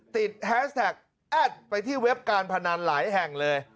แฮสแท็กแอดไปที่เว็บการพนันหลายแห่งเลย